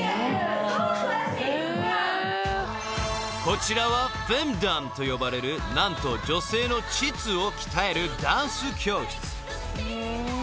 ［こちらはフェムダンと呼ばれる何と女性の膣を鍛えるダンス教室］